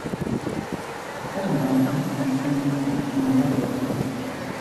Add an album from Thomen Stauch to my Rock This playlist.